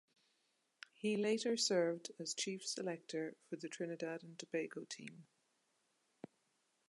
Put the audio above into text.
He later served as chief selector for the Trinidad and Tobago team.